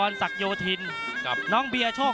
นักมวยจอมคำหวังเว่เลยนะครับ